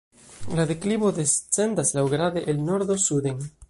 La deklivo descendas laŭgrade el nordo suden.